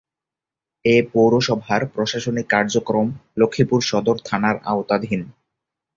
এ পৌরসভার প্রশাসনিক কার্যক্রম লক্ষ্মীপুর সদর থানার আওতাধীন।